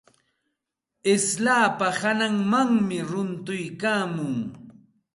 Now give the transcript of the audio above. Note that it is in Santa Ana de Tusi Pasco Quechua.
Slapa hananmanmi runtuykaamun.